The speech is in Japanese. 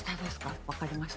わかりました。